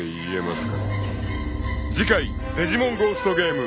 ［次回『デジモンゴーストゲーム』］